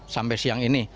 sampai siang ini